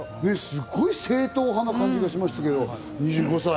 すごい正統派な感じがしましたけど、２５歳。